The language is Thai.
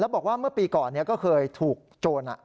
บอกว่าเมื่อปีก่อนก็เคยถูกโจร